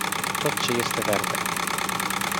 Tot ce este verde.